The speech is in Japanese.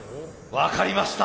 分かりました。